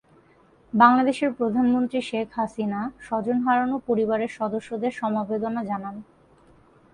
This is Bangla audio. বাংলাদেশের প্রধানমন্ত্রী, শেখ হাসিনা, স্বজন হারানো পরিবারের সদস্যদের সমবেদনা জানান।